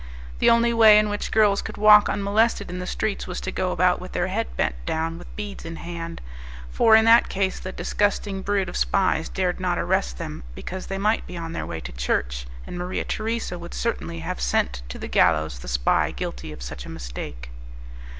The only way in which girls could walk unmolested in the streets was to go about with their head bent down with beads in hand, for in that case the disgusting brood of spies dared not arrest them, because they might be on their way to church, and Maria Teresa would certainly have sent to the gallows the spy guilty of such a mistake.